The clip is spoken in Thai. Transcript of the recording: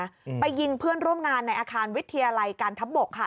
อืมไปยิงเพื่อนร่วมงานในอาคารวิทยาลัยการทับบกค่ะ